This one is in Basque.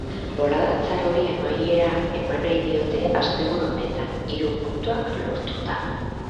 Bolada txar hori amaiera eman nahi diote asteburu honetan hiru puntuak lortuta.